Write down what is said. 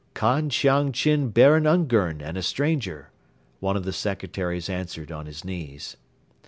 "Khan Chiang Chin Baron Ungern and a stranger," one of the secretaries answered on his knees.